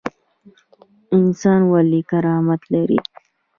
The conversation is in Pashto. انسان ولې کرامت لري؟